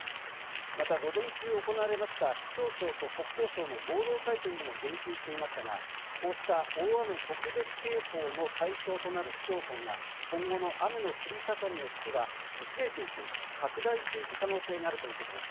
また午前中行われました気象庁と国交省の合同会見でも言及していましたが、こうした大雨特別警報の対象となる市町村が今後の雨の降り方によっては増えていく、拡大していく可能性があるということです。